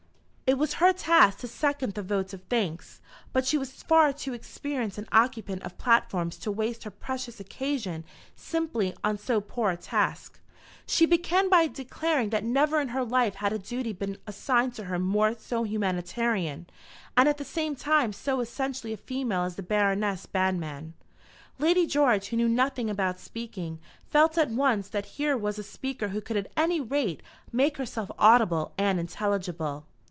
It was her task to second the vote of thanks, but she was far too experienced an occupant of platforms to waste her precious occasion simply on so poor a task. She began by declaring that never in her life had a duty been assigned to her more consonant to her taste than that of seconding a vote of thanks to a woman so eminent, so humanitarian, and at the same time so essentially a female as the Baroness Banmann. Lady George, who knew nothing about speaking, felt at once that here was a speaker who could at any rate make herself audible and intelligible.